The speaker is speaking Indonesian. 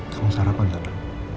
kamu sarapan sama